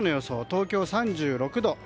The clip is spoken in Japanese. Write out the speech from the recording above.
東京、３６度。